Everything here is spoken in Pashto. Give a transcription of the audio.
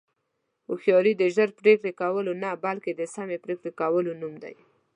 هوښیاري د ژر پرېکړې کولو نه، بلکې د سمې پرېکړې کولو نوم دی.